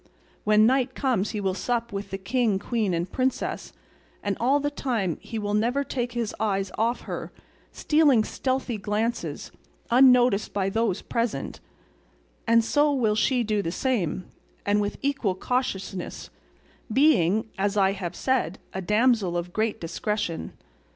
When night comes he will sup with the king, queen, and princess; and all the time he will never take his eyes off her, stealing stealthy glances, unnoticed by those present, and she will do the same, and with equal cautiousness, being, as I have said, a damsel of great discretion.